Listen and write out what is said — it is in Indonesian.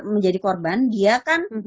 menjadi korban dia kan